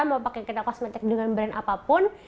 mau pakai kita kosmetik dengan brand apapun